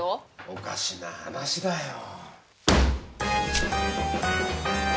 おかしな話だよ。